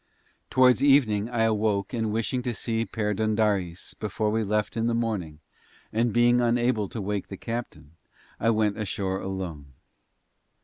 Towards evening, I awoke and wishing to see Perdóndaris before we left in the morning, and being unable to wake the captain, I went ashore alone.